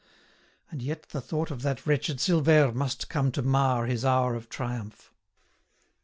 And yet the thought of that wretched Silvère must come to mar his hour of triumph!